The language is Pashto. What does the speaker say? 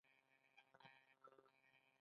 انګلیسي د نړۍ مهمه ژبه ده